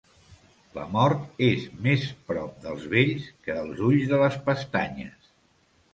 La mort és més prop dels vells que els ulls de les pestanyes.